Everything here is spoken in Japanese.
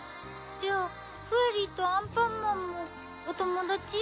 じゃあフワリーとアンパンマンもおともだち？